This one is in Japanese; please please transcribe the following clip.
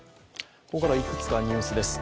ここからいくつかニュースです。